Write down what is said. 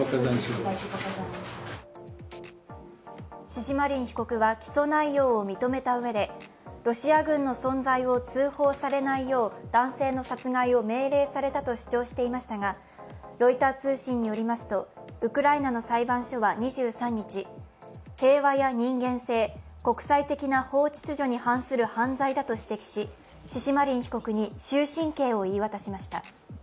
シシマリン被告は起訴内容を認めたうえで、ロシア軍の存在を通報されないよう男性の殺害を命令されたと主張していましたが、ロイター通信によりますとウクライナの裁判所は２３日、平和や人間性、国際的な法秩序に反する犯罪だと指摘し、シシマリン被告に終身刑を言い渡しました。